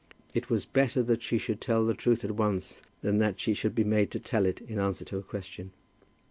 It was better that she should tell the truth at once than that she should be made to tell it, in answer to a question.